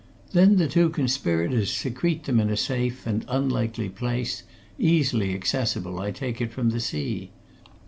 Then the two conspirators secrete them in a safe and unlikely place, easily accessible, I take it, from the sea.